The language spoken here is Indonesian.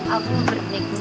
aku mau beri punya kini satu